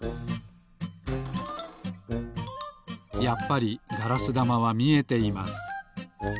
やっぱりガラスだまはみえています。